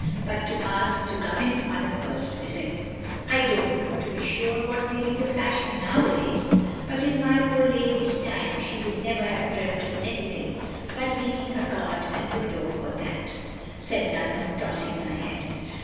But to ask to come in on a first visit! I don't know, to be sure, what may be the fashion nowadays; but in my poor lady's time she would never have dreamt of anything but leaving her card at the door for that, '* said Dunham, tossing her head.